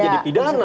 bukan jadi pidana